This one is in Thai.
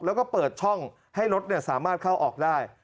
แล้วก็เปิดช่องให้รถสามารถเข้าออกได้